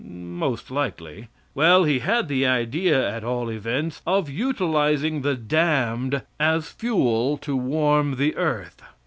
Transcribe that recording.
Most likely. Well, he had the idea at all events of utilizing the damned as fuel to warm the earth.